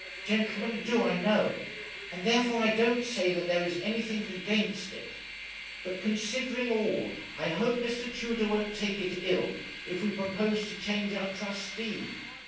Gentlemen do, I know; and therefore I don't say that there is anything against it. But considering all, I hope Mr. Tudor won't take it ill if we propose to change our trustee.'